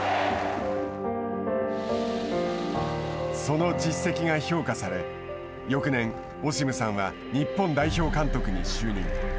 その実績が評価され、翌年オシムさんは日本代表監督に就任。